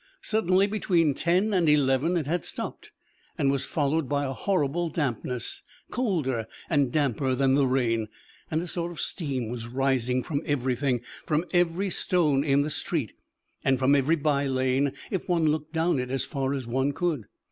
Suddenly between ten and eleven it had stopped, and was followed by a horrible dampness, colder and damper than the rain, and a sort of steam was rising from everything, from every stone in the street, and from every by lane if one looked down it as far as one could.